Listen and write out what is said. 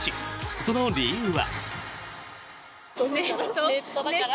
その理由は。